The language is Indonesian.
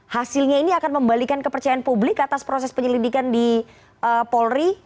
hasilnya ini akan membalikan kepercayaan publik atas proses penyelidikan di polri